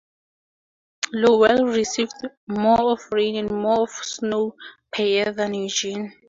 Lowell receives more of rain and more of snow per year than Eugene.